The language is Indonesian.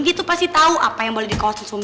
lut lak lut lak